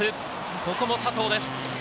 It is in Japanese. ここも佐藤です。